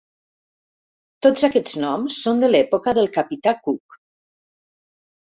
Tots aquests noms són de l'època del capità Cook.